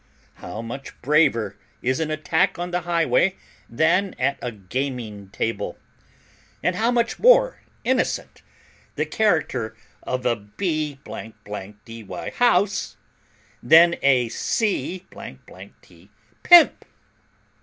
How much braver is an attack on the highway than at a gaming table; and how much more innocent the character of a b dy house than a c t pimp!"